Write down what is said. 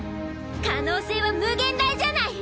可能性は無限大じゃない。